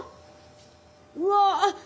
うわ